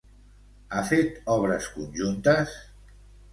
Ha fet obres conjuntes?